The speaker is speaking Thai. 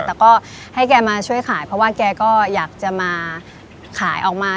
แต่ก็ให้แกมาช่วยขายเพราะว่าแกก็อยากจะมาขายออกมา